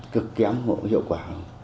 cực kém hiệu quả